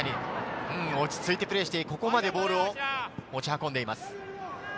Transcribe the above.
落ち着いてプレーして、ここまでボールを持ち運んでいます。